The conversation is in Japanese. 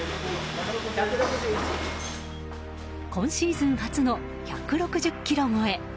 今シーズン初の１６０ｋｇ超え。